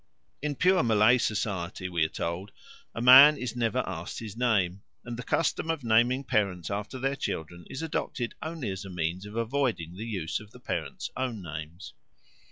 In pure Malay society, we are told, a man is never asked his name, and the custom of naming parents after their children is adopted only as a means of avoiding the use of the parents' own names.